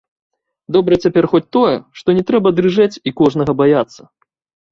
Добра цяпер хоць тое, што не трэба дрыжэць і кожнага баяцца.